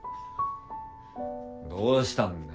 どうしたんだよ